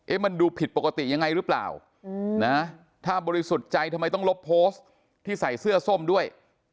มันดูผิดปกติยังไงหรือเปล่านะถ้าบริสุทธิ์ใจทำไมต้องลบโพสต์ที่ใส่เสื้อส้มด้วย